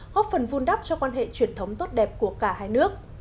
góp phần vun đắp cho quan hệ truyền thống tốt đẹp của cả hai nước